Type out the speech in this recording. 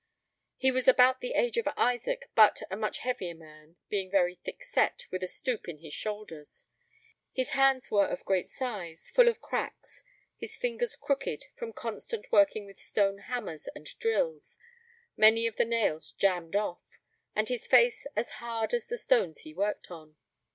He was about the age of Isaac, but a much heavier man, being very thick set, with a stoop in his shoulders. His hands were of great size, full of cracks; his fingers crooked, from constant working with stone hammers and drills; many of the nails jammed off, and his face as hard as the stones he worked on.